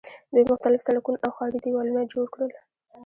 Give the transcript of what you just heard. دوی مختلف سړکونه او ښاري دیوالونه جوړ کړل.